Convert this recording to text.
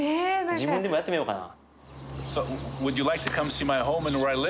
自分でもやってみようかな。